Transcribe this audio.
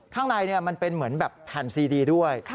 ข้างในมันเป็นเหมือนแบบแผ่นซีดีด้วย